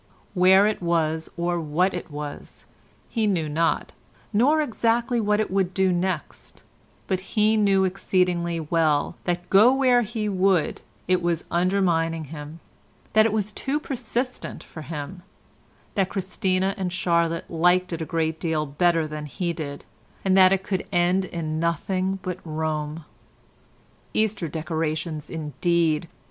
Where it was, or what it was, he knew not, nor exactly what it would do next, but he knew exceedingly well that go where he would it was undermining him; that it was too persistent for him; that Christina and Charlotte liked it a great deal better than he did, and that it could end in nothing but Rome. Easter decorations indeed!